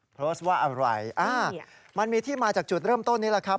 โพสต์ว่าอะไรมันมีที่มาจากจุดเริ่มต้นนี้แหละครับ